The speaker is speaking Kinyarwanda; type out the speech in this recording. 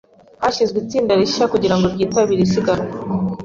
Hashyizweho itsinda rishya kugirango ryitabire isiganwa.